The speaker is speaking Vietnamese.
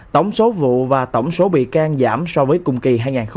tổng số vụ và tổng số bị can giảm so với cùng kỳ hai nghìn hai mươi ba